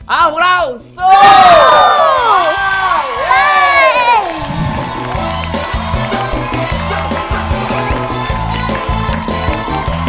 เอ้าพวกเราสู้